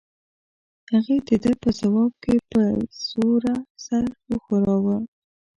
هغې د ده په ځواب کې په زور سر وښوراوه.